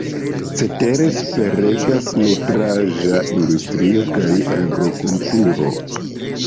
Cetere superregas nutraĵa industrio kaj agrokulturo.